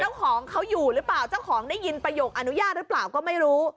เจ้าของเขาอยู่หรือเปล่าเจ้าของได้ยินประโยคอนุญาตหรือเปล่าก็ไม่รู้